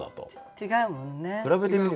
違うもんね。